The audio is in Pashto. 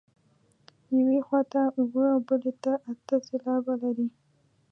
یوې خوا ته اووه او بلې ته اته سېلابه لري.